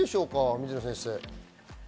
水野先生。